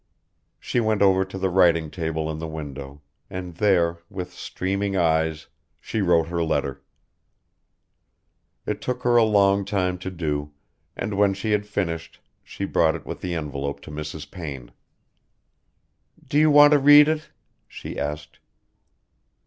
She went over to the writing table in the window, and there, with streaming eyes, she wrote her letter. It took her a long time to do, and when she had finished she brought it with the envelope to Mrs. Payne. "Do you want to read it?" she asked.